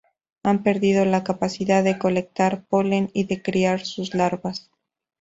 Han perdido la capacidad de colectar polen y de criar sus larvas.